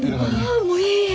あもういいえ。